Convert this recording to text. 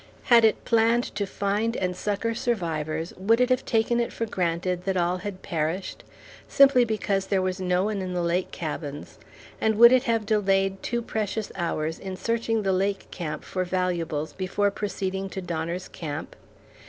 Had it planned to find and succor survivors would it have taken it for granted that all had perished, simply because there was no one in the lake cabins, and would it have delayed two precious hours in searching the lake camp for valuables before proceeding to Donner's Camp?